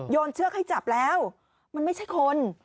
เชือกให้จับแล้วมันไม่ใช่คน